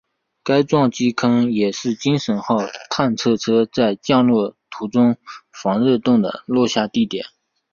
该撞击坑也是精神号探测车在降落途中防热盾的落下地点。